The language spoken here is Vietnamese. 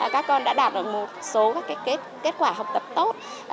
các con đã đạt được một số các kết quả học tập tốt